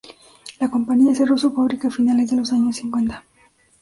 La compañía cerró su fábrica a finales de los años cincuenta.